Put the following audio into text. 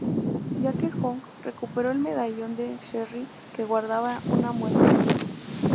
Ya que Hunk recuperó el medallón de Sherry que guardaba una muestra.